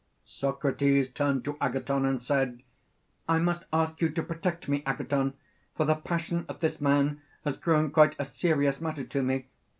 Socrates turned to Agathon and said: I must ask you to protect me, Agathon; for the passion of this man has grown quite a serious matter to me.